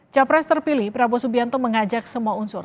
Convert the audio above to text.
capres terpilih prabowo subianto mengajak semua unsur